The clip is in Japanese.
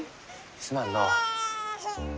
すまんのう。